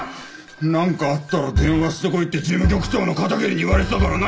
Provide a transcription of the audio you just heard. なんかあったら電話してこいって事務局長の片桐に言われてたからな。